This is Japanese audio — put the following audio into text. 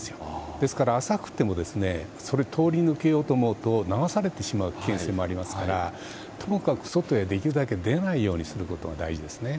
ですから浅くてもそれを通り抜けようとすると流されてしまうケースもありますからとにかく外へなるべく出ないようにすることが大事ですね。